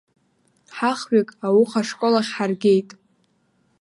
Ҳахҩык ауха ашкол ахь ҳаргеит.